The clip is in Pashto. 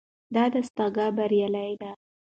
دا دستګاه بریالۍ ده.